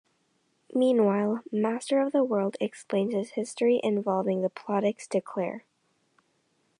Meanwhile, Master of the World explains his history involving the Plodex to Claire.